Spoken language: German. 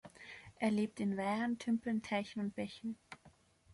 Er lebt in Weihern, Tümpeln, Teichen und Bächen.